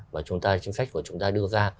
và chính sách chúng ta đưa ra